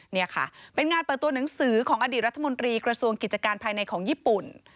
นี่ค่ะเป็นงานเปิดตัวหนังสือของอดีตรัฐมนตรีกระทรวงกิจการภายในของญี่ปุ่น